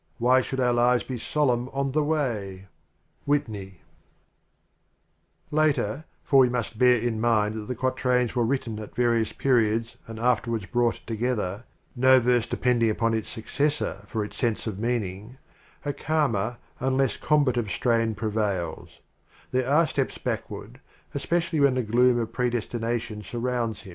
Why should our lives be solemn on the way f Later, for we must bear in mind that the qua trains were written at various periods and after wards brought together, no verse depending upon its successor for its sense of meaning — a calmer and less combative strain prevails, There are steps backward, especially when the gloom of predestination surrounds him :— Payne's Translation.